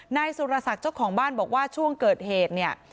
นายสุรศักดิ์เจ้าของบ้านบอกว่าช่วงเกิดเหตุเนี่ย